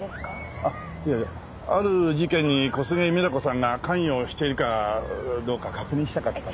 あっいやいやある事件に小菅みな子さんが関与しているかどうか確認したかったんです。